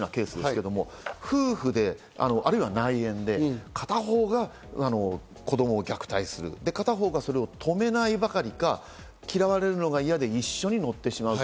けれども夫婦、あるいは内縁で片方が子供を虐待する、片方がそれを止めないばかりか、嫌われるのが嫌で一緒にのってしまう。